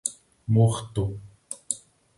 Morto.